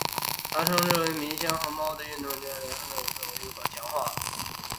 他宣称迷箱和猫的运动之间的联结被每次逃脱所强化。